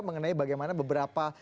mengenai bagaimana beberapa